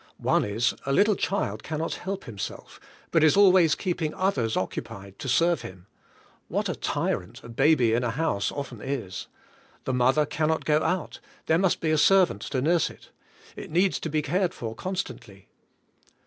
One is, a little child cannot help himself, but is always keeping others occupied to serve him. What a tyrant a baby in a house often is! The mother cannot go out, there must be a servant to nurse it; it needs to be cared for constantly.